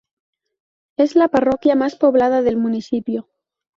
Es la parroquia más poblada del municipio.